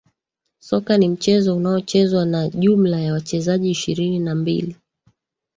Soka ni mchezo unaochezwa na jumla ya wachezaji ishirini na mbili